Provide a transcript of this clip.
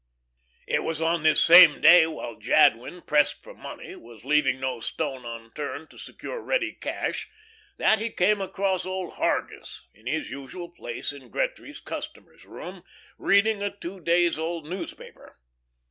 It was on this same day while Jadwin, pressed for money, was leaving no stone unturned to secure ready cash, that he came across old Hargus in his usual place in Gretry's customers' room, reading a two days old newspaper.